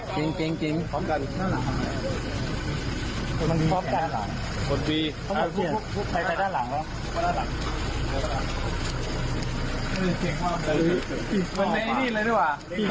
มันพร้อมกันหลังต้องเปลี่ยนไปไปด้านหลังเหมือนในนี่เลยน่ะวะ